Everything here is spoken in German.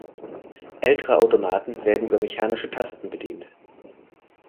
Ältere Automaten werden über mechanische Tasten bedient.